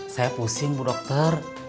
saya pusing bu dokter